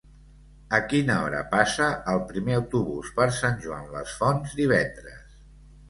A quina hora passa el primer autobús per Sant Joan les Fonts divendres?